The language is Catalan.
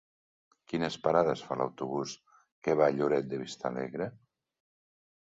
Quines parades fa l'autobús que va a Lloret de Vistalegre?